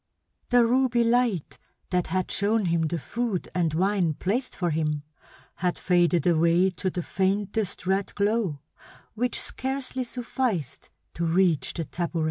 The ruby light that had shown him the food and wine placed for him had faded away to the faintest red glow which scarcely sufficed to reach the tabouret.